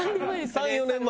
３４年前。